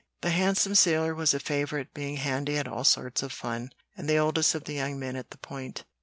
The handsome sailor was a favorite, being handy at all sorts of fun, and the oldest of the young men at the Point.